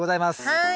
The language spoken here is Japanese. はい。